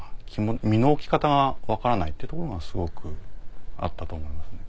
身の置き方が分からないっていうところがすごくあったと思いますね。